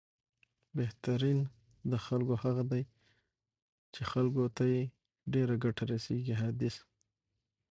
بهترین د خلکو هغه دی، چې خلکو ته یې ډېره ګټه رسېږي، حدیث